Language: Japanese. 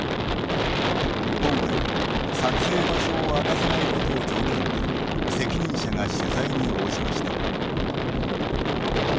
今回、撮影場所を明かさないことを条件に責任者が取材に応じました。